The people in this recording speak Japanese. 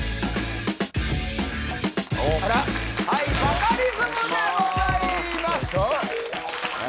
はいバカリズムでございますお願いします